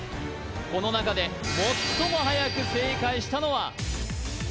この中で最も早く正解したのは？